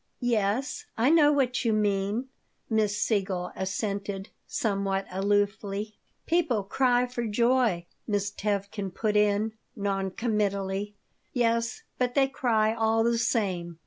"Yes, I know what you mean," Miss Siegel assented, somewhat aloofly "People cry for joy," Miss Tevkin put in, non committally "Yes, but they cry, all the same.